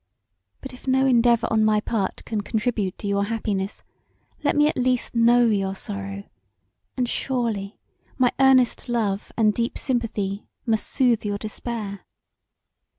But if no endeavour on my part can contribute to your happiness, let me at least know your sorrow, and surely my earnest love and deep sympathy must soothe your despair.